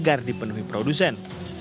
agar dipenuhi produsen